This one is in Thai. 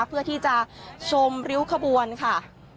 เพื่อที่จะชมริ้วขบวนค่ะ